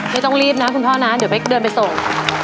ไม่ต้องรีบนะคุณพ่อนะเดี๋ยวเป๊กเดินไปส่ง